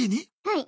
はい。